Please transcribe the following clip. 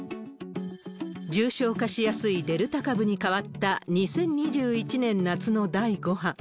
重症化しやすいデルタ株に変わった２０２１年夏の第５波。